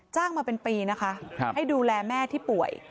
มาเป็นปีนะคะให้ดูแลแม่ที่ป่วย